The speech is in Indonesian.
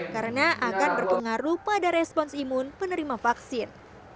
karena akan berpengaruh pada respons imun penerima vaksin